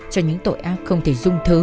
cho những tội ác không thể dung thứ